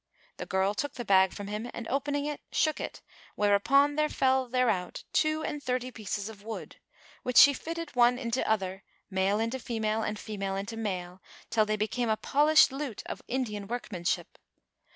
The girl took the bag from him and opening it shook it, whereupon there fell thereout two and thirty pieces of wood, which she fitted one into other, male into female and female into male[FN#428] till they became a polished lute of Indian workmanship.